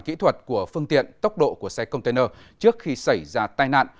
kỹ thuật của phương tiện tốc độ của xe container trước khi xảy ra tai nạn